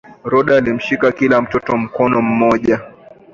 rhoda alimshika kila mtoto mkono mmoja